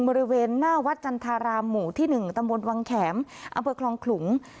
บริเวณหน้าวัดจันทรารามหมู่ที่๑ตำบลวังแข็มอำเภอคลองขลุง